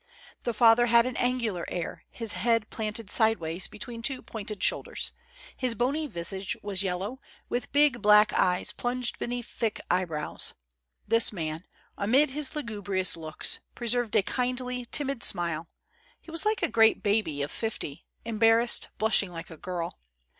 The father had an angular air, his head planted side wise between two pointed shoulders. His bony visage was yellow, with big black eyes plunged beneath thick eyebrows. This man, amid his lugubrious looks, pre served a kindly, timid smile; he was like a great baby of fifty, embarrassed, blushing like a girl.